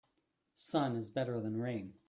Sun is better than rain.